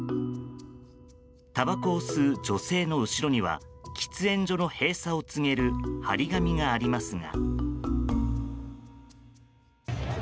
たばこを吸う女性の後ろには喫煙所の閉鎖を告げる貼り紙がありますが。